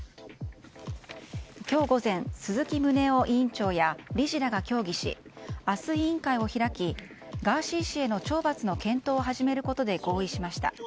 今日午前、鈴木宗男委員長や理事らが協議し明日、委員会を開きガーシー氏への懲罰の検討を始めることで合意しました。